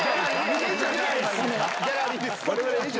ギャラリーです。